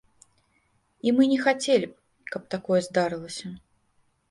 І мы не хацелі б, каб такое здарылася.